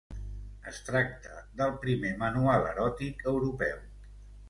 Es tracta del primer manual eròtic europeu.